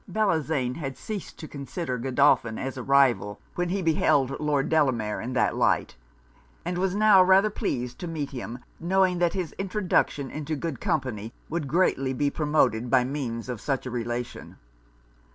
Bellozane had ceased to consider Godolphin as a rival, when he beheld Lord Delamere in that light; and was now rather pleased to meet him, knowing that his introduction into good company would greatly be promoted by means of such a relation.